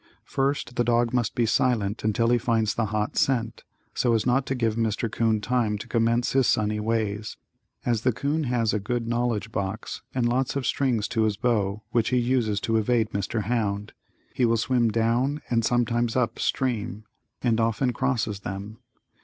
First, the dog must be silent until he finds the hot scent, so as not to give Mr. Coon time to commence his sunny ways, as the 'coon has a good knowledge box and lots of strings to his bow which he uses to evade Mr. Hound. He will swim down and sometimes up stream and often crosses them.